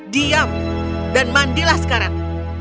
diam dan mandilah sekarang